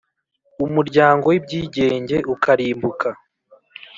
umuryango w’ibyigenge ukarimbuka